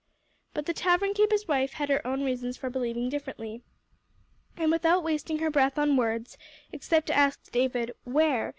But the tavern keeper's wife had her own reasons for believing differently. And without wasting her breath on words, except to ask David, "Where?"